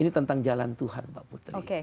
ini tentang jalan tuhan mbak putri